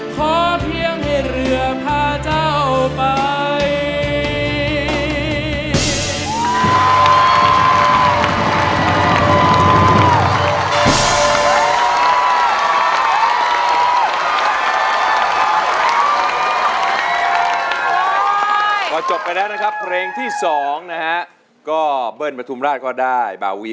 ขอเพียงให้เรือพาเจ้าไป